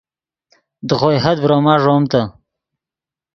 دے خوئے حد ڤروما ݱوتے